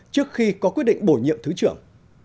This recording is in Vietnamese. trước khi có quyết định bổ nhiệm thứ trưởng